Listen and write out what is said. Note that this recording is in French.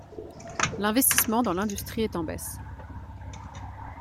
L’investissement dans l’industrie est en baisse.